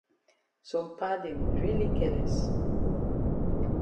Some pa dem really careless.